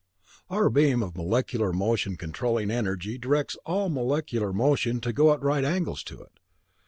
"Our beam of molecular motion controlling energy directs all molecular motion to go at right angles to it.